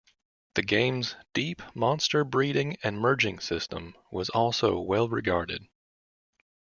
The game's deep monster breeding and merging system was also well regarded.